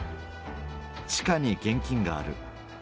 地下に現金がある。